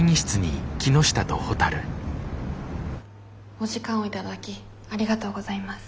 お時間を頂きありがとうございます。